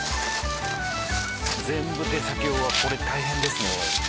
全部手作業はこれ大変ですね。